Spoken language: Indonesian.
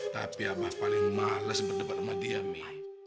tapi abah paling males berdebat sama dia mi